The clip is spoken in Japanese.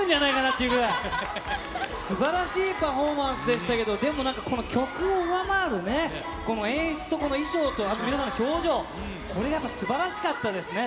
っていうくらい、すばらしいパフォーマンスでしたけど、でもなんか、この曲を上回るね、この演出とこの衣装と、皆さんの表情、これがやっぱすばらしかったですね。